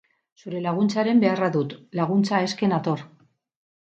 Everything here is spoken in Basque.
Zure laguntzaren beharra dut. Laguntza eske nator.